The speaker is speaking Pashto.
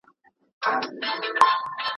پاچاهان ځواکمن وو.